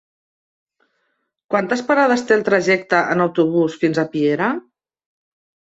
Quantes parades té el trajecte en autobús fins a Piera?